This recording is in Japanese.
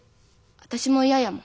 私も嫌やもん。